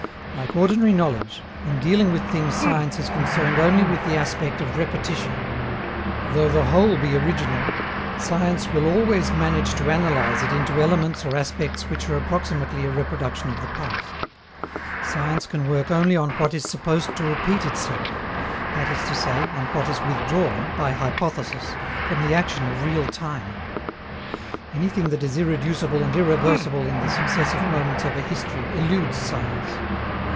Like ordinary knowledge, in dealing with things science is concerned only with the aspect of repetition. Though the whole be original, science will always manage to analyze it into elements or aspects which are approximately a reproduction of the past. Science can work only on what is supposed to repeat itself that is to say, on what is withdrawn, by hypothesis, from the action of real time. Anything that is irreducible and irreversible in the successive moments of a history eludes science.